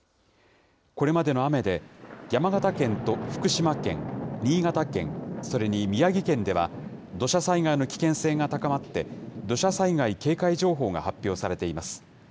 これまでの雨で、山形県と福島県、新潟県、それに宮城県では、土砂災害の危険性が高まって、土砂災害警戒情報が発表されています。